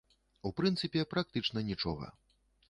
У прынцыпе, практычна нічога.